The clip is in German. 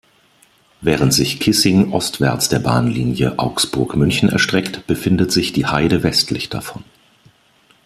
Während sich Kissing ostwärts der Bahnlinie Augsburg-München erstreckt, befindet sich die Heide westlich davon.